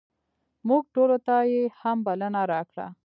موږ ټولو ته یې هم بلنه راکړه.